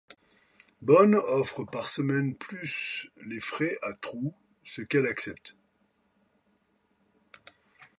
Bone offre par semaine plus les frais à Trout, ce qu'elle accepte.